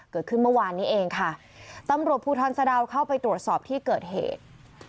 เกิดขึ้นเมื่อวานนี้เองค่ะตำรวจภูทรสะดาวเข้าไปตรวจสอบที่เกิดเหตุ